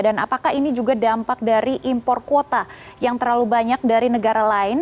dan apakah ini juga dampak dari impor kuota yang terlalu banyak dari negara lain